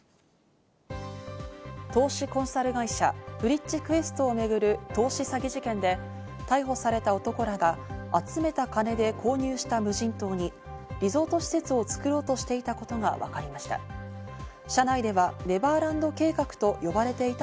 投資コンサル会社・ＦＲｉｃｈＱｕｅｓｔをめぐる投資詐欺事件で、逮捕された男らが集めた金で購入した無人島にリゾート施設を作ろうとしていたことがわかりました。